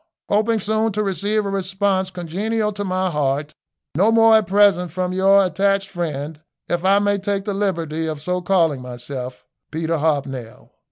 Hoping soon to receive a response congenial to my heart, no more at present from your attached friend, if I may take the liberty of so calling myself, "Peter Hobnail."